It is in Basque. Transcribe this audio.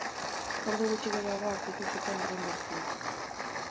Ordu gutxi geroago aurkitu zuten haren gorpua.